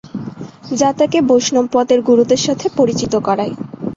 যা তাকে বৈষ্ণব মতের গুরুদের সাথে পরিচিত করায়।